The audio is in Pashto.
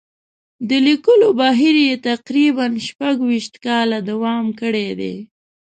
د لیکلو بهیر یې تقریباً شپږ ویشت کاله دوام کړی دی.